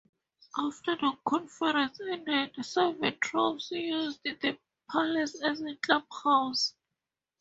After the conference ended, Soviet troops used the palace as a clubhouse.